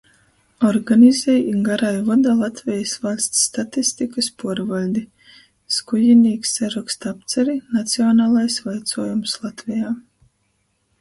Organizej i garai voda Latvejis vaļsts statistikys puorvaļdi. Skujinīks saroksta apceri "Nacionalais vaicuojums Latvejā",